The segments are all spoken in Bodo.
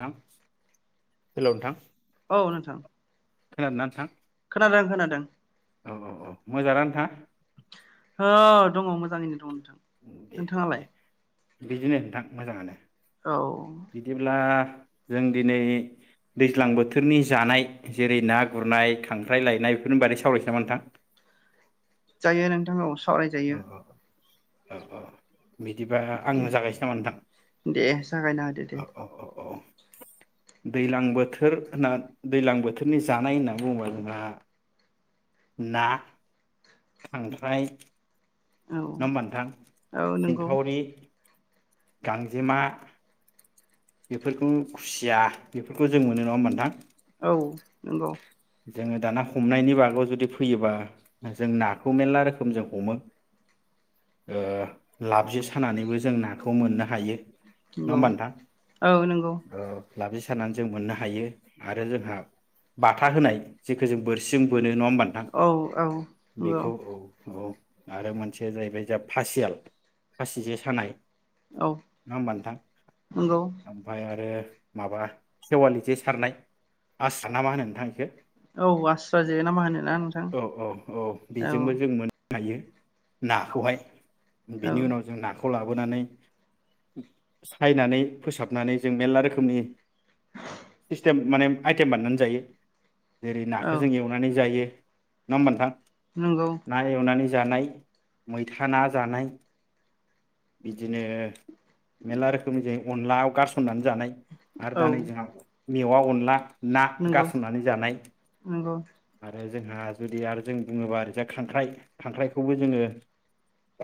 थां हेलौ नोंथां औ नोंथां। खोनादोंना नोंथां? खोनादों खोनादों। औ औ औ मोजांना नोंथाङा? औ दङ मोजाङैनो दं नों थां दे दे नोंथाङालाय। बिदिनो नोंथां मोजाङानो। औ बिदिब्ला जों दिनै दैज्लां बोथोरनि जानाय जेरै ना गुरनाय खांख्राइ लायनाय बेफोरनि बादै सावरायनोसै नामा नोंथां? जायो नोंथां औ। सावराय औ जायो। औ औ औ बिदिबा आं दे जागायसै नामा नोंथां दे जागायना होदो दे औ औ औ औ दैलां बोथोर होनना दैलां बोथोरनि जानाय होननानै बुङोबा जोंहा ना खांख्राइ। औ नङा होमबा नोंथां औ नंगौ सिंखावरि। गांजेमा बेफोरखौ खुसिया बेफोरखौ जों मोनो नङा नोंथां। औ नंगौ। जोङो दाना हमनायनि बागाव जुदि फैयोबा जों नाखौ मेलला रोखोम जों हमो ओ लाबजे सानानैबो जों नाखौ मोननो हायो। नङा नंगौ होमबा नोंथां औ नंगौ। ओ लाबजे सानानै जों मोननो हायो आरो जोंहा। बाथा होनाय जेखौ जों बोरसिं जों बो नो नङा होमबा नोंथां औ औ नंगौ बेखौ औ औ। आरो मोनसेया जाहैबाय जा फासियाल फासि जे सानाय औ नङा होमबा नोंथां नंगौ ओमफ्राय आरो। माबा सेवालि जे सारनाय आस्रा नामा होनो नोंथां एखो। औ आस्रा जेना मा होनोना नोंथां औ औ औ औ। बेजोंबो [unintelligible] नाखौहाय औ बिनि उनाव जों नाखौ। खौ लाबोनानै सायनानै फोसाबनानै जों मेल्ला रोखोमनि इस्तेम माने आइटेम बानायनानै जायो। जेरै औ नाखौ जों एवनानै जायो। नङा ओमबा नोंथां। नंगौ ना एवनानै। जानाय मैथा ना जानाय बिदिनो मेल्ला रोखोमनि जों अनला गारसननानै जानाय आरो औ दा नै जोंहा मेवा अनला नंगौ गारसननानै जानाय नंगौ आरो जोंहा जुदि आरो जों बुङोबा ओरैजा खांख्राइ खांख्राइखौबो जोङो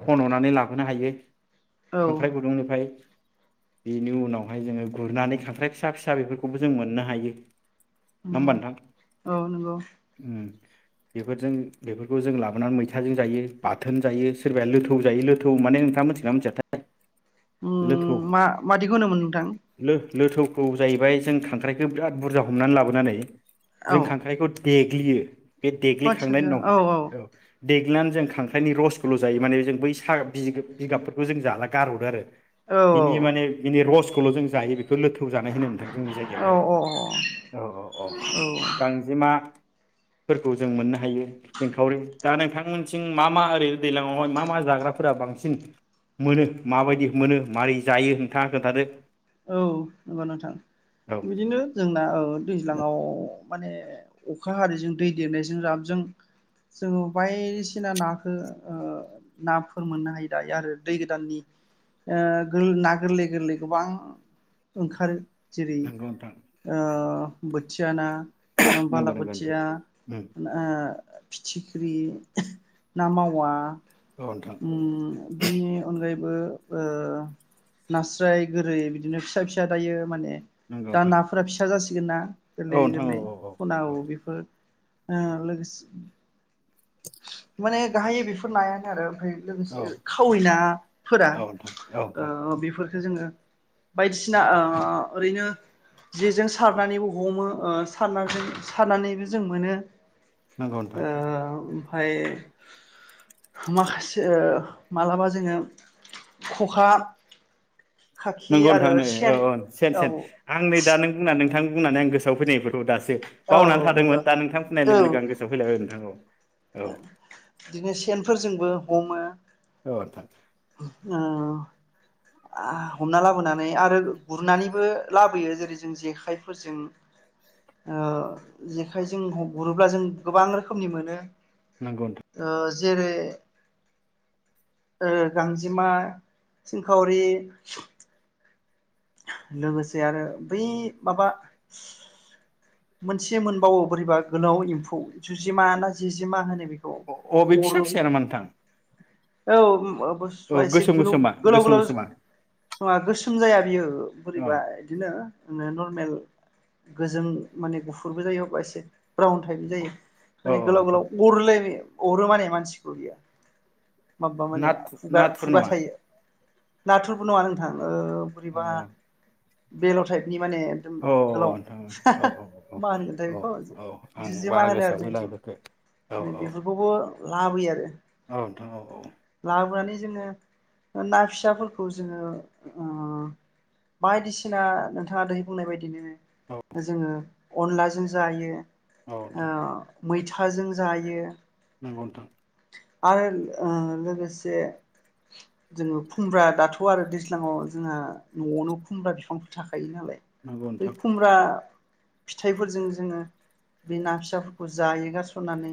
खन'नानै लाबोनो हायो औ खांख्राइ गुदुंनिफ्राय बेनि उनावहाय जोङो गुरनानै खांख्राइ फिसा फिसा बेफोरखौबो जों मोननो हायो नंगौ होमबा नोंथां औ नंगौ उम बेफोरजों बेफोरखौ जों लाबोनानै मैथाजों जायो बाथोन जायो सोरबाया लोथौ जायो लोथौ माने नोंथाङा मिथिगोनना मिथियाथाय लोथौ उम मादिखौ होनोमोन नोंथां लोथौखौ जायैबाय जों खांख्राइखौ बिराद बुरजा हमनानै लाबोनानै औ जों खांख्राइखौ देग्लियो बे देग्लिखांनायनि उनाव औ देग्ल नानै जों खांख्राइनि रसखौल' जायो माने जों बै साहा बिगाबफोरखौ जों जाला गारहररो आरो औ बिनि माने बिनि रस खौल' जों जायो बेखौ लोथौ जानाय होनो नोंथां जोंनि जायगायावहाय औ औ औ गांजेमा फोरखौ जों मोननो हायो एंखावरि दा नोंथांमोनसिं मा मा ओरै दैलांआवहाय मा मा जाग्राफोरा बांसिन मोनो माबायदि मोनो मारै जायो नोंथाङा खोन्थादो औ नंगौ नोंथां औ बिदिनो जोंना औ दैज्लांआव माने अखा हारिजों दै देरनायजों ज्राबजों जोङो बायदिसिना नाखौ ओ नाफोर मोननो हायो दायो आरो दै गोदाननि ओ ना गोरलै गोरलै गोबां ओंखारो जेरै नंगौ नोंथां ओ बोथिया ना बाला नंगौ नंगौ बोथिया नोंथां ना ओ फिथिख्रि ना मावा उम औ नोंथां उम बिनि अनगायैबो ओ नास्राय गोरै बि बिदिनो फिसा फिसा दायो माने नंगौ दा नोंथां नाफोरा फिसा जासि गोना औ गोरलै नोंथां औ गोरलै औ खनाव बेफोर ओ लोगोसे माने गाहायै बेफोर नायानो आरो ओमफ्राय औ लोगोसे खावै नाफोरा औ नोंथां औ नोंथां बेफोर जोङो बायदिसिना ओ ओरैनो जेजों सारनानैबो हमो ओ सारनानै सारनानैबो जों मोनो नोंगौ नोंथां ओ ओमफाय मालासे ओ मालाबा जोङो खखा खाखि नोंगौ नोंथां आरो नै औ सेन औ सेन औ सेन आं नै दा नों बुंना नोंथां बुंनानै आं गोसोआव फैदों इफोरखौ दास [unintelligible] औ बावनानै थादोंमोन नंगौ दा नोंथां बुंनाय लोगो लोगो आं गोसोआव फैलायबाय नोंथां औ औ ओ बिदिनो सेन फोरजोंबो हमो औ नोंथां। उम आ हमना लाबोनानै आरो गुरनानैबो लाबोयो जेरै जों जेखाइफोरजों ओ जेखाइजों गुरोब्ला जों गोबां रोखोमनि मोनो। नोंगौ नोंथां। ओ जेरै ओ गांजिमा सिंखावरि लोगोसे आरो बै माबा मोनसे मोनबावो बोरैबा गोलाव एम्फौ जुजिमा ना जिजिमा होनो बेखौ अ अ बे फिसा अरो बि फिसाया नामा नोंथां औ उम ओब बुस्थुआ औ एसे गोसोम गोलोव गोसोमा गोलाव गोसोम गोलाव गोसोमा नङा गोसोम जाया बियो। ओ अ बोरैबा इदिनो नोन नरमेल गोजों माने गुफुरबो जायो अबा एसे ब्राउन थाइप नि जायो। औ मानि गोलाव नोंथां गोलाव अरोलै बे अरो माने मानसिखौ बियो। माबा माने नाथ खुगा नाथुर खुगा नामा थायो। नाथुरबो नङा नोंथां। ओ अ बोरैबा बेल'थाइ नि माने एकदम औ गोलाव नोंथां औ औ [unintelligible] मा होनगोनथाय औ बेखौ औ आं जोजेमा बारा होनो आरो गोसोआव गैला बेफोरखो औ जोंनथिं। औ बेफोरखौबो लाबोयो आरो औ नोंथां औ लाबोनानै जोङो ना फिसाफोरखौ जोङो ओ बायदिसिना नोंथाङा दैहै बुंनाय औ बायदिनो। जोङो अनलाजों जायो औ मैथाजों जायो नोंगौ नोंथां। आरो ओ लोगोसे जोङो खुमब्रा दाथ' आरो दैज्लाङाव जोंहा न'आवनो खुमब्रा बिफांफोर थाख खायो नालाय बै नोंथां खुमब्रा फिथाइफोरजों जोङो बे ना फिसाफोरखौ जायो गारस'ननानै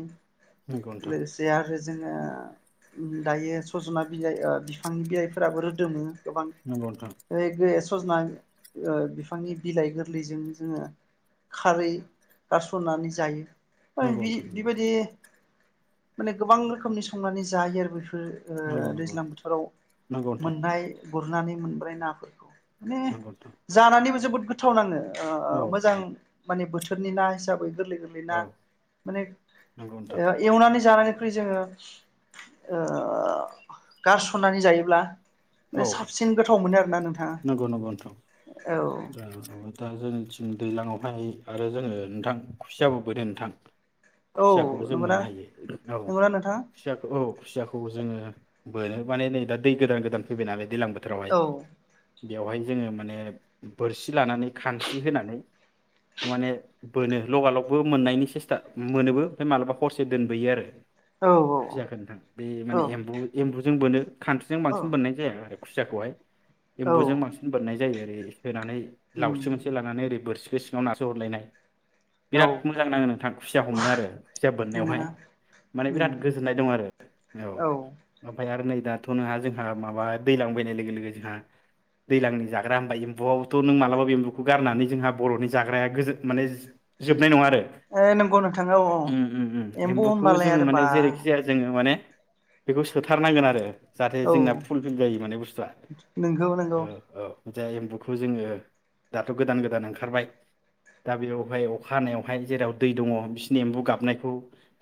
नंगौ नोंथां लोगोसे आरो जोङो दायो सजना बिलाइओ बिफांनि बिलाइफोराबो रोदोमो गोबां नंगौ नोंथां बे सजना ओ बिफांनि बिलाइ गोरलैजों जोङो खारै खारसजायो नंगौ नोंथां नंगौ नोंथां [unintelligible] बिबायदि माने गोबां रोखोमनि संनानै जायो आरो बेफोर नंगौ ओ नंगौ नंगौ दैज्लां बोथोराव नंगौ नोंथां मोननाय गुरनानै मोनबोनाय नाखौ [inaudible] माने नंगौ नोंथां जानानैबो जोबोद गोथाव नाङो ओ औ मोजां माने बोथोर बोथोरनि ना हिसाबै गोरलै गोरलै ना औ औ माने नंगौ नोंथां एवनानै जानानै [unintelligible] जोङो ओ गारसननानै जायोब्ला माने औ साबसिन गोथाव मोनो आरो ना नोंथां नंगौ नंगौ नोंथां औ ओमफ्राय दा जोंथिं दैलाङावहाय आरो जोङो नोंथां खुसियाबो बोनो नोंथां औ खुसियाखौबो जों नंगौना मोननो हायो औ नंगौना नोंथां खुसियाखौ औ खुसियाखौ जोङो बोनो माने नै दा दै गोदान गोदान फैबाय नालाय दैलां बोथोरावहाय औ बेवहाय जोङो माने बोरसि लानानै खानस्रि होनानै माने बोनो लगालगबो मोननायनि सेस्था मोनोबो ओमफ्राय मालाबा हरसे दोनबोयो आरो औ खुसियाखो नोंथां बे माने एम्बु औ एम्बुजों बोनो खानस्रिजों औ बांसिन बोननाय जाया आरो खुसियाखौहाय औ एम्बुजों बांसिन बोननाय जायो आरो बे होनानै उम लावथि मोनसे लानानै ओरै बोरसि बे सिङाव नारसो हरलायनाय औ बिराद मोजां नाङो नोंथां खुसिया हमनो आरो खुसिया बोननायावहाय नंगौना माने उम बिराद गोजोननाय दं आरो औ ओमफ्राय आरो नै दाथ' नोंहा जोंहा माबा दैज्लां फैनाय लोगो लोगो जोंहा दैलांनि जाग्रा हामबायो बआवथ' नों मालाबा एम्बुखौ गारनानै जोंहा बर'नि जाग्राया गोजोन माने जोबनाय नङा आरो ओ नंगौ नोंथां औ औ उम उम उम एम्बु एम्बुखौ होमबालाय जोङो आरो माने बा जेरैखि जाया जोङो माने बेखौ सोथारनांगोन आरो जाहाथे औ जोंना फुल फिल जायो माने बुस्थुआ नंगौ नंगौ औ औ। जाय एम खु जोङो दाथ' गोदान गोदान ओंखारबाय दा बेवहाय अखा हानायावहाय जेराव दै दङ बिसि नि एम्बु गाबनायखौ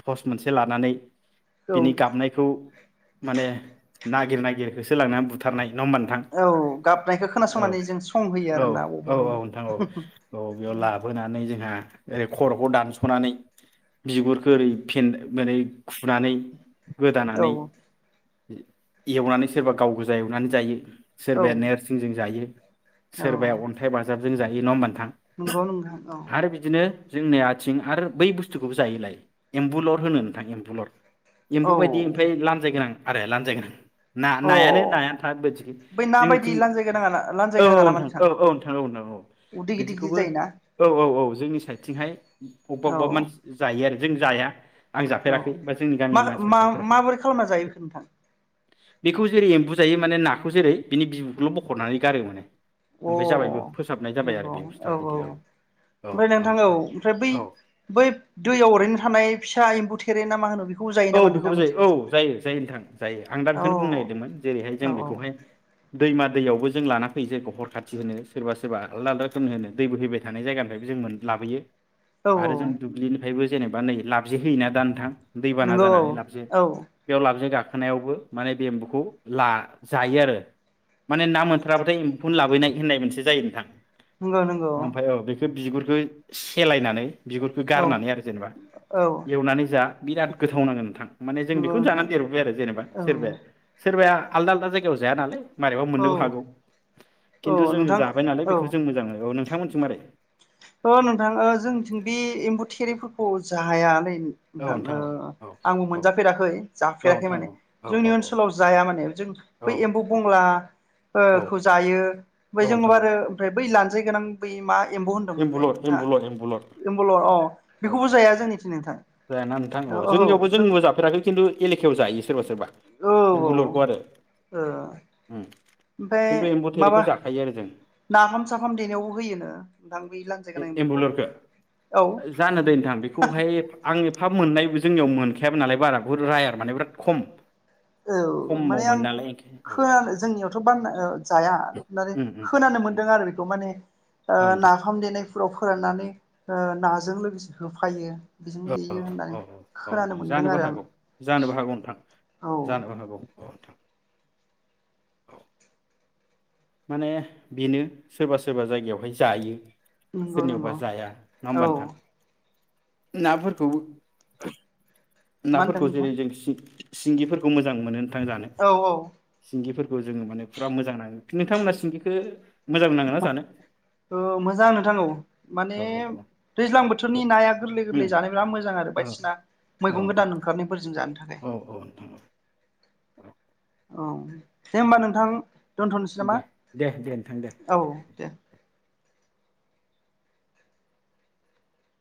तस्ट मोनसे लानानै औ बिनि गाबनायखौ माने नागिर नागिरखौसो लांनानै बुथारनाय नङा होमबा नोंथां औ गाबनायखौ औ खोनासंनानै जों संहोयो औ आरोना औ बबाव औ दं नोंथां औ औ बेयाव लाबोनानै जोंहा ओरै खर'खौ दानस'नानै बिगुरखौ ओरै फेन ओरै खुनानै औ गोदानानै एवनानै सोरबा गाव गोजा एवनानै जायो। औ सोरबाया नोरसिंजों जायो। औ सोरबाया अन्थाइ बाजाब जों जायो नङा होमबा नों थां नंगौ नोंथां औ आरो बिदिनो जोंनिया थिं आरो बुथुखौ जायोलाय एम्बुलर होनो नोंथां एम्बुलर एम्फु बायदि ओमफ्राय लामजाय गोनां आरो लानजाय गोनां ना औ अ नायानो नायानो बै [inaudible] ना बायदि जोंनिथिं लान्जाय गोनाङा लान्जाय औ औ गोनाङा नामा नोंथां औ औ नोंथां औ नोंथां औ उदै गिदिर गिदिर बिदिखौबो जायोना औ औ औ जोंनि साइदथिंहाय बबेबा औ बबेबा मानसि जायो आरो जों जाया आं औ जाफेराखै बा जोंनि गामिनि मानसिफ्रा मा जाफेराखै माबोरै खालामना जायो बेखौ नोंथां? बेखौ जेरै एम्बु जायो माने नाखौ जेरै बिनि बिबुखौल' बखनानै गारो। अ ओमफ्राय जाबायबो फोसाबनाय जाबाय आरो नंगौ बे औ बुस्थुआ औ बिदि ओमफ्राय नोंथां औ ओमफ्राय बै औ बै दैयाव ओरैनो थानाय फिसा एम्बु थेरेना मा होनो। बेखौ जायो औ नामा नोंथां बेखौबो जायो मोनथिं औ जायो जायो नोंथां जायो आं दा औ बेखौनो बुंनो नागिरदोंमोन जेरैहाय जों औ औ बेखौहाय दैमा दैयावबो ज जों लाना फै जोंखौ हखर खाथि होनो सोरबा सोरबा आलदा आलदा रोखोमनि होनो दैबो फैबाय थानाय जायगानिफ्राय जों मोन लाबोयो औ आरो जों दुब्लिनिफ्रायबो जेनेबा नै लाबजि होयोना दा नोंथां। दैबाना नंगौ जानानै लाबसै औ बेयाव लाबसै गाखो गाखोनायावबो माने बे एम्बौखौ ला जायो आरो माने ना मोनथाराबाथाय खौनो लाबोननाय होननाय मोनसे जायो नोंथां। नंगौ नंगौ ओमफाय औ बेखो बिगुरै। बेखौ सेलायनानै बिगुरखौ औ गारनानै आरो जेनेबा औ एवनानै जा बिराद गोथाव नांगोन नोंथां। माने जों नंगौ बेखौनो नोंथां जानानै देरबोबाय आरो जेनेबा औ सोरबाया सोरबाया आलदा आलदा जायगायाव जाया नालाय मारैबा औ मोननोबो हागौ खिन्थु औ जोंङो नोंथां जाबाय नालाय औ बेखौ जों मोजां मोनो। नोंथां मोनथिं मारै ओ नोंथां ओ जोंनिथिं बे एम्बु थेरिफोरखौ जायालै औ नोंथां औ औ आंबो औ मोनजाफेराखै औ जाफेराखै नोंथां माने औ औ जोंनि ओनसोलाव जाया माने जों औ बै एम्बौ बंला ओ औ खौ जायो औ बै जों नोंथां औ आरो बै‌ लान गोनां बै मा एम मोनलाय एम्बुलर नोंथाङा एम्बुलर एम्बुलर एमबलर अ बेखौबो जाया जोंनिथिं नोंथां। जाया ना नोंथां औ औ जोंनियावबो जों जोंबो जाफेराखै खिन्थु एलेखायावआव जायो सोरबा सोरबा औ एम्बुलुरखौ आरो औ ओ ओमफाय खिन्थु एम्बु थेरेखौ माबा जाखायो आरो जों नाफाम साफाम देनायावबो होयोनो नोंथां बै लान्जाय गोनां एम्फौखौ एम्बुलरखौ औ जानो दै नोंथां बेखौहाय आं एफा मोननायबो जोंनियाव मोनखायाबो नालाय बारा खौ रायार माने बिराद खम औ खमाव माने आं मोनो नालाय ओंखायनो औ खोनानो जोंनियावथ' बान ओ जाया माने उम उम खोनानो उम मोनदों आरो बेखौ माने ओ औ नोंथां नाफाम देनाय फोराव फोराननानै नाजों लोगोसे होफायो। बेजों औ देयो औ होननानै औ खोनानो नोंथां मोनदों जानोबो आरो आं हागौ जानोबो हागौ नोंथां औ जानोबो हागौ। औ नोंथां औ। माने बेनो सोरबा सोरबा जायगायावहाय जायो। नंगौ सोरनियावबा नंगौ जाया नङा होमबा औ नोंथां। नाफोरखौबो मा होनदों नाफोरखौ नोंथां जेरै जों सिं सिंगिफोरखौ मोजां मोनो। थां जानो औ औ सिंगिफोर बे जोङो माने फुरा मोजां नाङो। नोंथांमोना सिंगिखो मोजां नोंथां औ माने औ दैज्लां औ बोथोरनि नाया गोरलै उम गोरलै जानो बिराद मोजां आरो औ बायदिसिना औ मैगं नोंथां गोदान ओंखारनायफोरजों जानो था औ औ औ [unintelligible] औ दे होमबा नोंथां दोनथ'नोसै नामा दे दे दे नोंथां दे औ दे